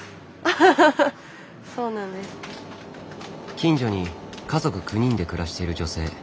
近所に家族９人で暮らしている女性。